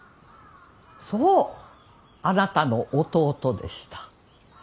そうあなたの弟でした。